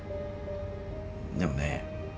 でもね